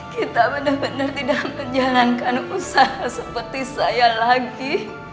kita benar benar tidak menjalankan usaha seperti saya lagi